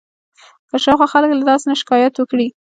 که شاوخوا خلک له تاسې نه شکایت وکړي.